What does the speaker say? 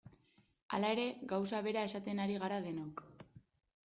Hala ere, gauza bera esaten ari gara denok.